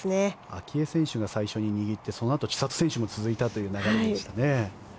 明愛選手が先に握ってそのあと千怜選手も続いたという流れでしたね。